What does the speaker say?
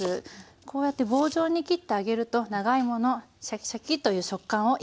こうやって棒状に切ってあげると長芋のシャキシャキという食感を生かすことができます。